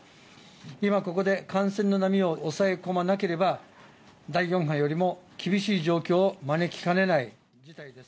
今、ここで感染の波を抑え込まなければ、第４波よりも厳しい状況を招きかねない事態です。